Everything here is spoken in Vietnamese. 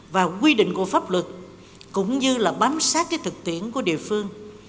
và quy định của pháp luật cũng như là bám sát thực tiễn của địa phương